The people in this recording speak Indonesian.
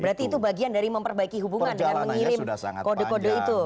berarti itu bagian dari memperbaiki hubungan dengan mengirim kode kode itu